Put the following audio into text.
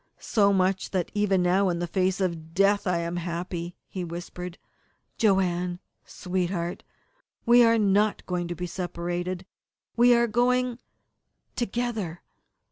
"So much that even now, in the face of death, I am happy," he whispered. "Joanne, sweetheart, we are not going to be separated. We are going together.